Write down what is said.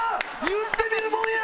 言ってみるもんや！